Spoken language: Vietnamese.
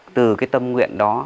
từ cái tâm nguyện đó